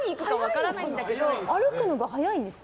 歩くのが速いんですか？